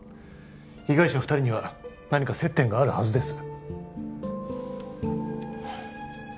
被害者二人には何か接点があるはずです